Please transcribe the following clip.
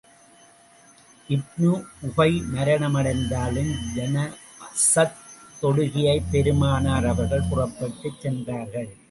இப்னு Ubayy மரணம் அடைந்ததும், ஜனாஸாத் தொழுகைக்காகப் பெருமானார் அவர்கள் புறப்பட்டுச் சென்றார்கள்.